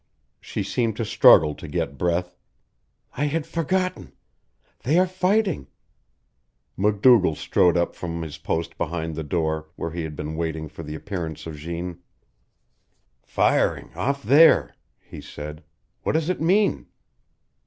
She seemed to struggle to get breath, "I had forgotten. They are fighting " MacDougall strode up from his post beside the door, where he had been waiting for the appearance of Jeanne. "Firing off there," he said. "What does it mean?"